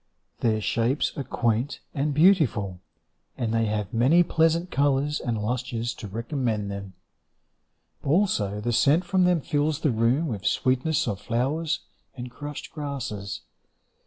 Their shapes are quaint and beautiful, And they have many pleasant colours and lustres To recommend them. Also the scent from them fills the room With sweetness of flowers and crushed grasses.